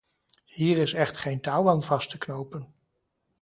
Hier is echt geen touw aan vast te knopen.